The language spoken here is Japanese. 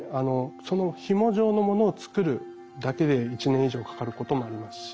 そのひも状のものを作るだけで１年以上かかることもありますし。